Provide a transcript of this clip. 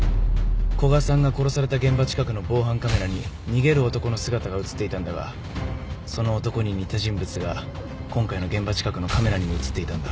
古賀さんが殺された現場近くの防犯カメラに逃げる男の姿が写っていたんだがその男に似た人物が今回の現場近くのカメラにも写っていたんだ。